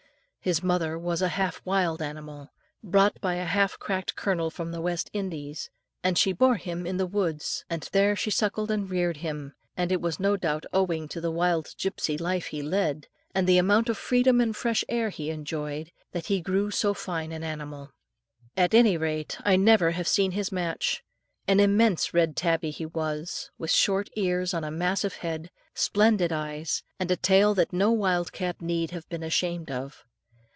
His mother was a half wild animal, brought by a half cracked colonel from the West Indies, and she bore him in the woods, and there she suckled and reared him, and it was no doubt owing to the wild gipsy life he led, and the amount of freedom and fresh air he enjoyed, that he grew so fine an animal. At any rate, I never have seen his match. An immense red tabby he was, with short ears on a massive head, splendid eyes, and a tail that no wild cat need have been ashamed of.